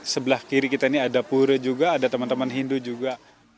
sebelah kiri kita ini ada pure juga ada teman teman hindu juga